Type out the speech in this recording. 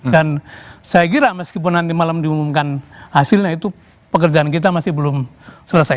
saya kira meskipun nanti malam diumumkan hasilnya itu pekerjaan kita masih belum selesai